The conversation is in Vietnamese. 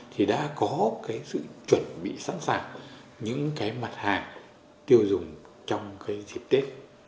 thì đã có sự chuẩn bị sẵn sàng những mặt hàng tiêu dùng trong dịp tết